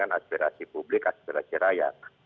aspirasi publik aspirasi rakyat